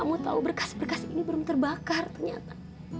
kamu tahu berkas berkas ini belum terbakar ternyata